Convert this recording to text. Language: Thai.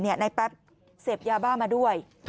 นายแป๊บเสพยาบ้ามาด้วย